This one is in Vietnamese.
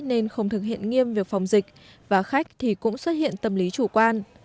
nên không thực hiện nghiêm việc phòng dịch và khách thì cũng xuất hiện tâm lý chủ quan